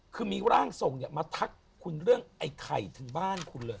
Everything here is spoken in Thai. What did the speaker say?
คือมีร่างทรงเนี่ยมาทักคุณเรื่องไอ้ไข่ถึงบ้านคุณเลย